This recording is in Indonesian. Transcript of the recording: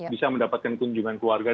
bisa mendapatkan kunjungan keluarga